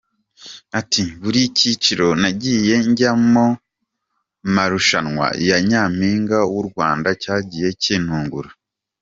Ati " Buri cyiciro nagiye njyamo mu marushanwa ya Nyampinga w’u Rwanda cyagiye kintungura.